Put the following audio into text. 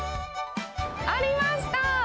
ありました。